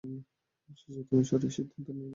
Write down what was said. অবশেষে তুমি সঠিক সিদ্ধান্ত নিলে।